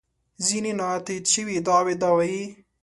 ځینې نا تایید شوې ادعاوې دا وایي.